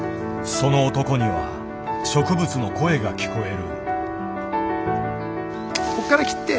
その男には植物の声が聞こえる。